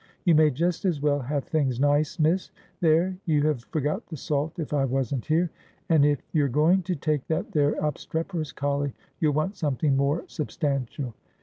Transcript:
' You may just as well have things nice, miss. There, you'd have forgot the salt if I wasn't here. And if you're going to take that there obstreperous collie you'll want something more substantial.'